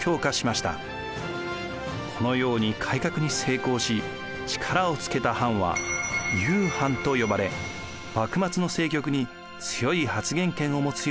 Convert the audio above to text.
このように改革に成功し力をつけた藩は雄藩と呼ばれ幕末の政局に強い発言権を持つようになりました。